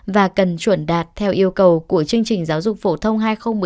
và cần chuẩn đạt theo yêu cầu của chương trình giáo dục phổ thông hai nghìn một mươi tám